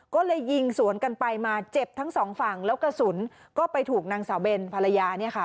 ก็เลยยิงสวนกันไปมาเจ็บทั้งสองฝั่งแล้วกระสุนก็ไปถูกนางสาวเบนภรรยาเนี่ยค่ะ